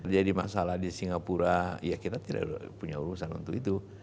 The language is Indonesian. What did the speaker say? jadi masalah di singapura ya kita tidak punya urusan untuk itu